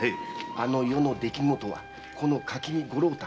「あの夜の出来事はこの垣見五郎太